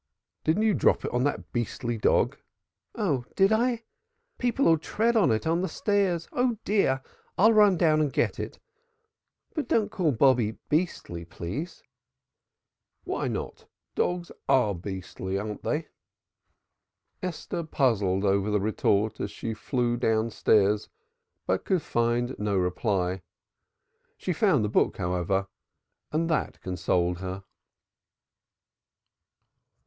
"Didn't you drop it on that beastly dog?" "Oh, did I? People'll tread on it on the stairs. Oh dear! I'll run down and get it. But don't call Bobby beastly, please." "Why not? Dogs are beasts, aren't they?" Esther puzzled over the retort as she flew downstairs, but could find no reply. She found the book, however, and that consoled her.